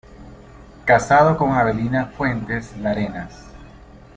Casado con Avelina Fuentes Larenas.